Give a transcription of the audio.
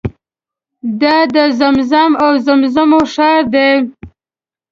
دا د زمزم او زمزمو ښار دی.